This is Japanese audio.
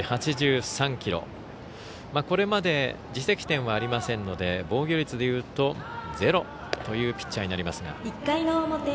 これまで自責点はありませんので防御率でいうと０というピッチャーになりますが。